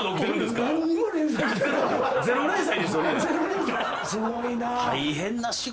すごいなぁ。